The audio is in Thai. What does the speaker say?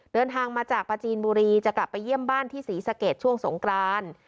เดินทางมาจากประจีนบุรีจะกลับไปเยี่ยมบ้านที่ศรีสะเกดช่วงสงกราน